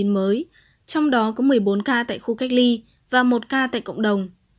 trong đó có một mươi bốn ca tại khu cách ly và một ca tại cộng đồng